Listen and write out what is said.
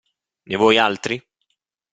Ne vuoi altri?